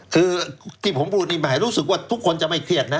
คือที่ผมพูดนี่หมายรู้สึกว่าทุกคนจะไม่เครียดนะ